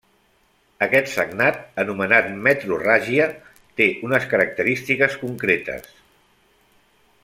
Aquest sagnat, anomenat metrorràgia, té unes característiques concretes.